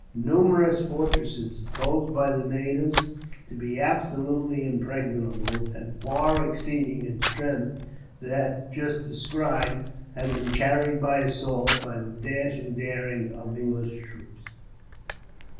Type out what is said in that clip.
Numerous fortresses, supposed by the natives to be absolutely impregnable, and far exceeding in strength that just described, have been carried by assault, by the dash and daring of English troops.